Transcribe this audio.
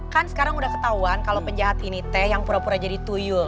kan sekarang udah ketahuan kalau penjahat ini teh yang pura pura jadi tuyung